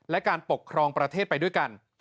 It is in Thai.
และการปกครองประเทศไปด้วยกัน